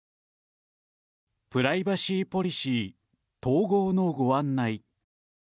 プライバシーポリシー統合のご案内。